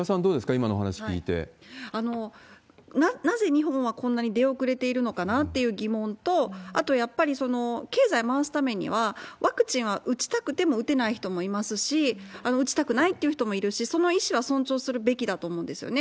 今のなぜ日本はこんなに出遅れているのかなという疑問と、あとやっぱり経済回すためには、ワクチンは打ちたくても打てない人もいますし、打ちたくないっていう人もいるし、その意思は尊重するべきだと思うんですよね。